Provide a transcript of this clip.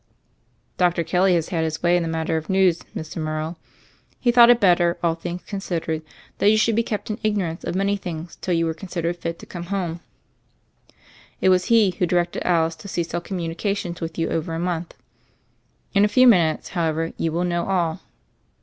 "Dr. Kelly has had his way in the matter of news, Mr. Morrow. He thought it better, all things considered, that you should be kept in ignorance of many things till you were consid ered fit to come home again. It was he who directed Alice to cease all communications with you over a month ago. In a few minutes, how ever, you will know all.